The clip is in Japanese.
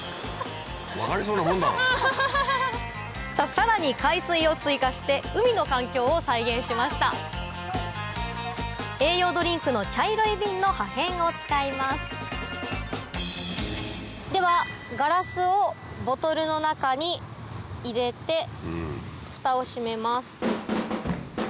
さらに海水を追加して海の環境を再現しました栄養ドリンクの茶色い瓶の破片を使いますではガラスをボトルの中に入れてフタを閉めます。